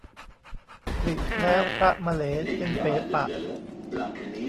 ตริแล้วพระมะเหลจึงเป๋ปะ